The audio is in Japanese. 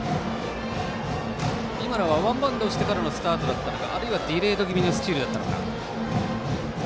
ワンバウンドをしてからのスタートだったのかあるいはディレイド気味のスチールだったのか。